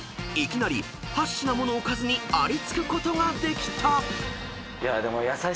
［いきなり８品ものおかずにありつくことができた］